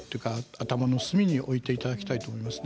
頭の隅に置いておいていただきたいと思います。